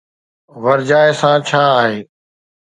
ورجائي سان ڇا آهي؟